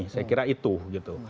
saya kira itu gitu